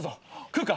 食うか？